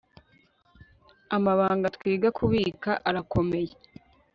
Amabanga twiga kubika arakomeye